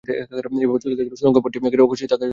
এভাবে চলতে চলতে সুড়ঙ্গ পথটি অবশেষে তাকে শহরে নিয়ে গেল।